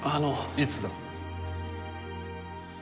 いつだ？